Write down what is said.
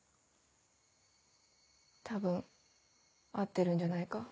多分合ってるんじゃないか？